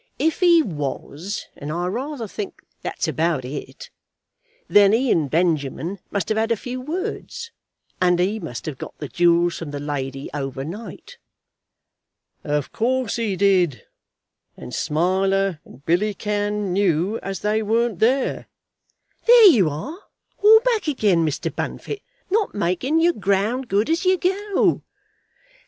If he was, and I rayther think that's about it, then he and Benjamin must have had a few words, and he must have got the jewels from the lady over night." "Of course he did, and Smiler and Billy Cann knew as they weren't there." "There you are, all back again, Mr. Bunfit, not making your ground good as you go.